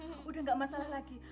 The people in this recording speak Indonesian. aduh udah gak masalah lagi